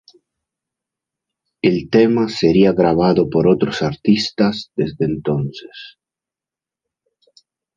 El tema sería grabado por otros artistas desde entonces.